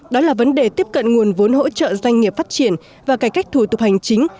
đó là vấn đề tiếp cận nguồn vốn hỗ trợ doanh nghiệp phát triển và cải cách thủ tục hành chính